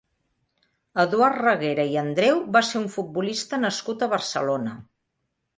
Eduard Reguera i Andreu va ser un futbolista nascut a Barcelona.